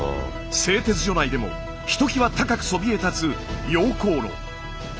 製鉄所内でもひときわ高くそびえ立つ溶鉱炉。